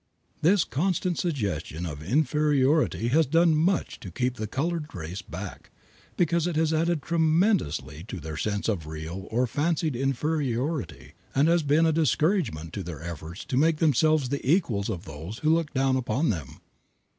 This constant suggestion of inferiority has done much to keep the colored race back, because it has added tremendously to their sense of real or fancied inferiority and has been a discouragement to their efforts to make themselves the equals of those who look down upon them.